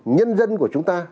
nhân dân của chúng ta